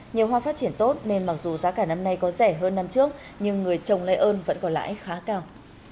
nhiều hoa phát triển tốt nên mặc dù giá cả năm nay có rẻ hơn năm trước nhưng người trồng lây ơn vẫn có lãi khá cao